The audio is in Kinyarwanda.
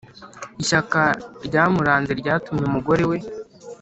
Ishyaka ryamuranze ryatumye umugore we